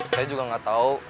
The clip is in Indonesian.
saya juga nggak tahu